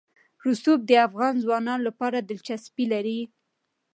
رسوب د افغان ځوانانو لپاره دلچسپي لري.